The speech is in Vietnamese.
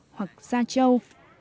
hoặc da trâu